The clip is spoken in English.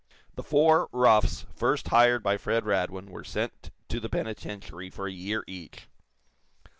The four roughs first hired by Fred Radwin were sent to the penitentiary for a year each.